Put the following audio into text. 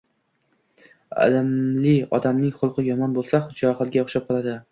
Ilmli odamning xulqi yomon bo‘lsa, johilga o‘xshab qoladi.